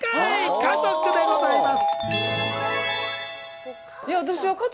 家族でございます。